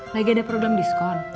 lagi ada produk diskon